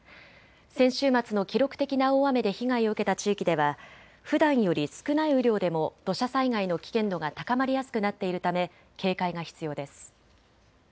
先週末の記録的な大雨で被害を受けた地域ではふだんより少ない雨量でも土砂災害の危険度が高まりやすくなっているため警戒が必要です。